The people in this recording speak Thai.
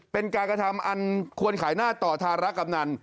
เป็นการกระทำอันควรขายหน้าต่อธารกำนัน